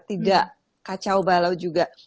tidak kacau balau juga